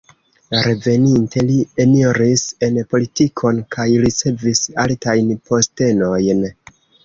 Reveninte, li eniris en politikon kaj ricevis altajn postenojn.